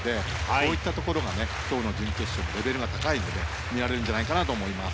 そういったところが今日の準決勝レベルが高いプレーになるんじゃないかなと思います。